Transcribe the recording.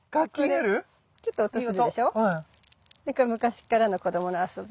これ昔っからの子どもの遊び。